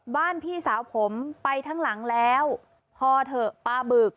พี่สาวผมไปทั้งหลังแล้วพอเถอะปลาบึก